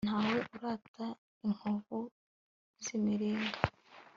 ntawe urata inkovu z'imiringa